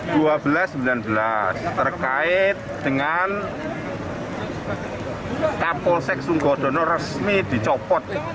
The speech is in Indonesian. dan terkait dengan kapolsek sukodono resmi dicopot